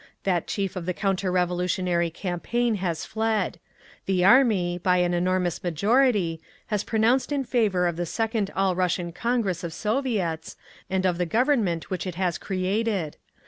That chief of the counter revolutionary campaign has fled. The Army, by an enormous majority, has pronounced in favour of the second All Russian Congress of Soviets, and of the Government which it has created.